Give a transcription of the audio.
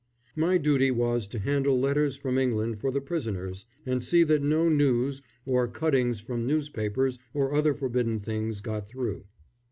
My duty was to handle letters from England for the prisoners, and see that no news, or cuttings from newspapers, or other forbidden things got through.